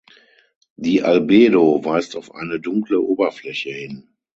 Die Albedo weist auf eine dunkle Oberfläche hin.